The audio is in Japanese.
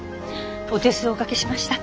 お手数おかけしました。